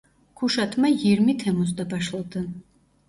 Kuşatma yirmi Temmuz'da başladı.